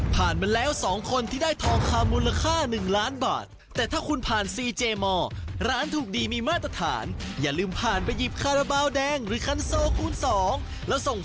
ไปติดตามกันที่สตูดิโอแจ้งโทษ